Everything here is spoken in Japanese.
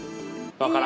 分からん？